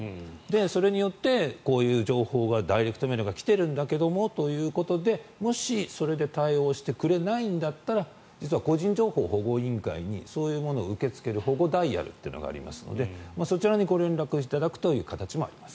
それによって、こういう情報がダイレクトメールが来ているんだけどもということでもし、それで対応してくれないんだったら実は個人情報保護委員会にそういうものを受け付ける保護ダイヤルというものがあるのでそちらにご連絡いただくという形もあります。